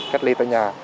cách ly tại nhà